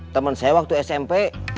temen saya waktu smp